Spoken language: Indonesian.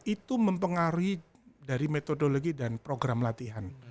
itu mempengaruhi dari metodologi dan program latihan